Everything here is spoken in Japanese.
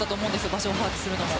場所を把握するのも。